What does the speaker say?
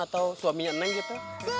atau suaminya neng gitu